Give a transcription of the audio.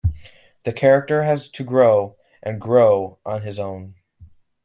The character has to grow and grow on his own.